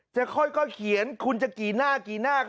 จะค่อยเขียนคุณจะกี่หน้ากี่หน้า